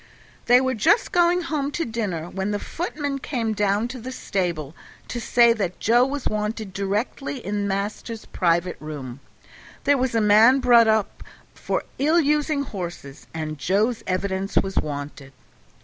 They were just going home to dinner when the footman came down to the stable to say that Joe was wanted directly in master's private room; there was a man brought up for ill using horses, and Joe's evidence was wanted.